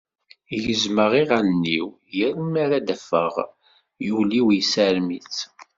Gezzmeɣ iɣallen-iw yal mi ara d-afeɣ ul-iw yessaram-itt.